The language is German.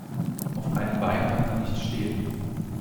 Auf einem Bein kann man nicht stehen.